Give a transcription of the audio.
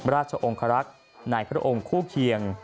ราชองค์คลักษณ์นายพระองค์คู่เคียง